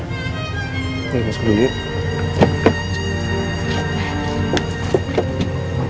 kita masuk dulu ya